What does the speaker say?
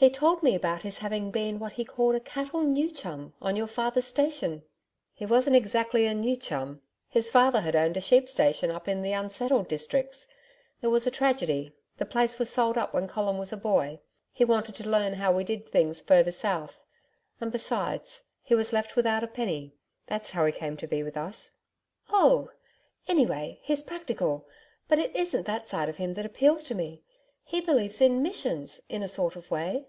He told me about his having been what he called a "cattle new chum" on your father's station.' 'He wasn't exactly a "new chum." His father had owned a sheep station up in the unsettled districts. There was a tragedy the place was sold up when Colin was a boy. He wanted to learn how we did things further south and besides, he was left without a penny that's how he came to be with us.' 'Oh! ... anyway, he's practical. But it isn't that side of him that appeals to me. He believes in Missions in a sort of way.'